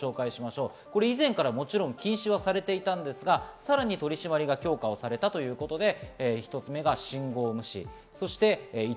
以前からもちろん、禁止はされていたんですが、さらに取り締りが強化されたということです。